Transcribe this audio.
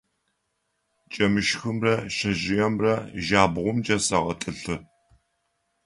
Джэмышхымрэ шъэжъыемрэ джабгъумкӏэ сэгъэтӏылъы.